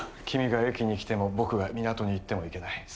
君が駅に来ても僕が港に行ってもいけない。